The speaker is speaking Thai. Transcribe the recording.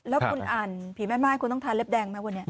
แล้วคุณอ่านผีแม่ม่ายคุณต้องทานเล็บแดงไหมวันนี้